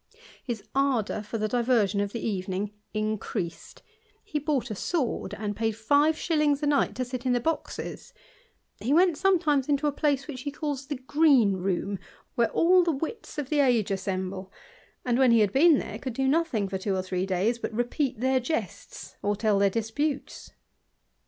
His ardour for the diversion of the evening increased ;^ bought a sword, and paid five shillings a night to • in the boxes; he went sometimes into a place which • calls the Green room, where all the wits of the age 5emble ; and, when he had been there, could do nothing ' two or three days, but repeat their jests, or tell their sputes.